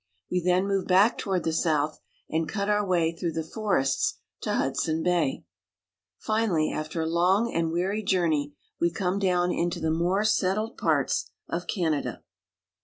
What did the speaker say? We then move back toward the south, and cut our way through the forests to Hudson Bay. Finally, after a long and weary journey, we come down into the more settled parts of Canada.